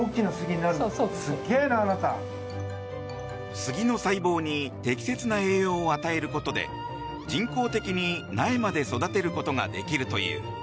スギの細胞に適切な栄養を与えることで人工的に苗まで育てることができるという。